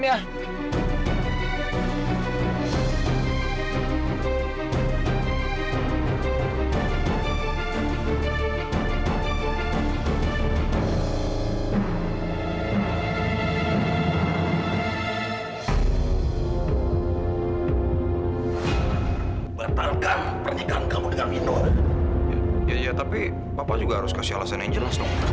iya tapi papa juga harus kasih alasan yang jelas dong